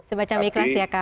semacam ikhlas ya kang